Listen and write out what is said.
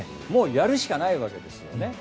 もうやるしかないわけです。